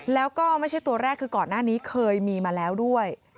แล้วก็ไม่ใช่ตัวแรกคือก่อนหน้านี้เคยมีมาแล้วด้วย